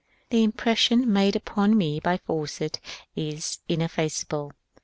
The impression made upon me by Fawcett is ineffaceable.